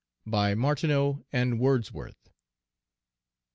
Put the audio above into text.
BY MARTINEAU AND WORDSWORTH.